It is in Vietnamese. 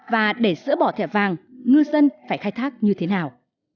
và để dỡ bỏ thẻ vàng ngư dân phải khai thác như thế nào